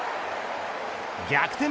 逆転